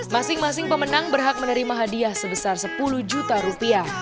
masing masing pemenang berhak menerima hadiah sebesar sepuluh juta rupiah